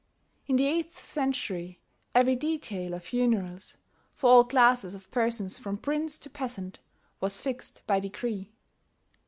In the eighth century every detail of funerals, for all classes of persons from prince to peasant, was fixed by decree.